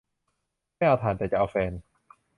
ไม่เอาถ่าน แต่จะเอาแฟน